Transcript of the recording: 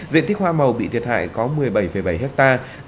diện tích hoa màu bị thiệt hại có một mươi bảy bảy hectare